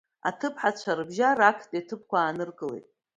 Аҭыԥҳацәа рыбжьара актәи аҭыԥқәа ааныркылеит…